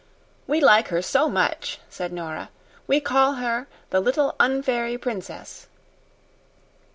"We like her so much," said Nora. "We call her the little un fairy princess."